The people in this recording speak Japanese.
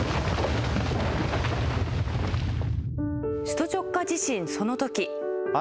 首都直下地震、そのとき。